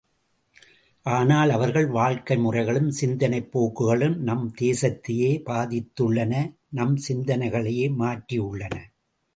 ஆனால் அவர்கள் வாழ்க்கை முறைகளும் சிந்தனைப் போக்குகளும் நம் தேசத்தையே பாதித்துள்ளன நம் சிந்தனைகளையே மாற்றி உள்ளன.